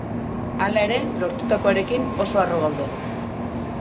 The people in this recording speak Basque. Hala ere lortutakoarekin oso harro gaude.